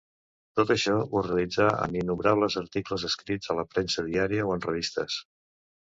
Tot això ho realitzà en innombrables articles escrits a la premsa diària o en revistes.